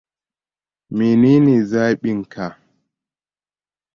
Mene ne zaɓinka?